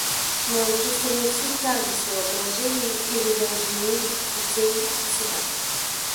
Но он чувствовал всю тяжесть своего положения и жалел жену, детей и себя.